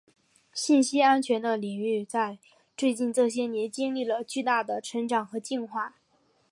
信息安全的领域在最近这些年经历了巨大的成长和进化。